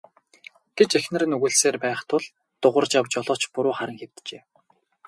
гэж эхнэр нь үглэсээр байх тул Дугаржав жолооч буруу харан хэвтжээ.